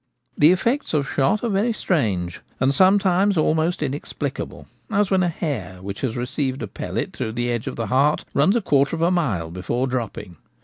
The effects of shot are very strange, and sometimes almost inexpli cable : as when a hare which has received a pellet through the edge of the heart runs a quarter of a mile before dropping.